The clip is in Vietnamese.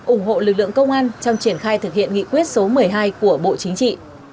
ủng hộ lực lượng công an trong triển khai thực hiện nghị quyết số một mươi hai của bộ chính trị